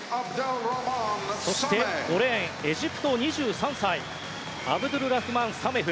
そして、５レーンエジプト、２３歳アブドゥルラフマン・サメフ。